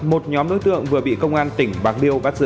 một nhóm nối tượng vừa bị công an tỉnh bạc điêu bắt giữ